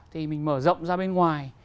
thì mình mở rộng ra bên ngoài